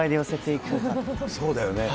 そうだよね。